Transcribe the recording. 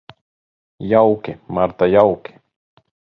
Jauki, Marta, jauki.